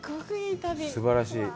すばらしい。